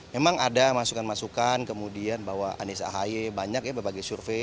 memang ada masukan masukan kemudian bahwa anies ahy banyak ya berbagai survei